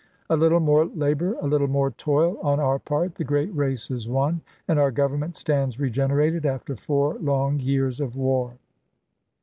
A little more labor, a little more toil on our part, the great •♦Memoirs'" race is won, and our Government stands regenerated Vol. II., p 34± after four long years of war."